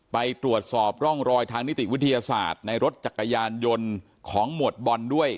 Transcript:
ไปตรวจสอบร่องรอยทางนิติวิทยาศาสตร์ในรถจักรยานยนต์ของหมวดบอลด้วย